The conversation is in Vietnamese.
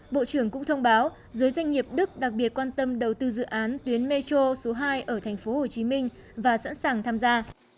bộ trưởng cũng thông báo giới doanh nghiệp đức đặc biệt quan tâm đầu tư dự án tuyến metro số hai ở tp hcm và sẵn sàng tham gia